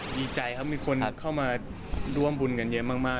ดีใจครับมีคนเข้ามาร่วมบุญกันเยอะมาก